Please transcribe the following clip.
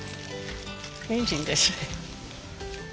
にんじんですね。